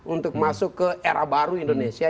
untuk masuk ke era baru indonesia